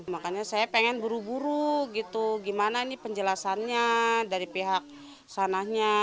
makanya saya pengen buru buru gitu gimana ini penjelasannya dari pihak sananya